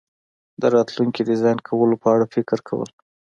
د راتلونکي ډیزاین کولو په اړه فکر کول